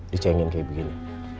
dicenggin kayak begini